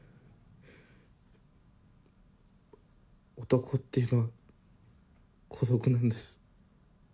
男っていうのは孤独なんです。